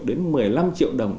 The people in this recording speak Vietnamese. đến một mươi năm triệu đồng